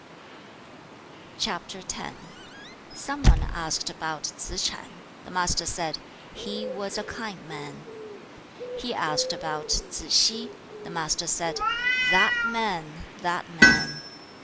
Some one asked about Tsze ch'an. The Master said, 'He was a kind man.' 2. He asked about Tsze hsi. The Master said, 'That man! That man!'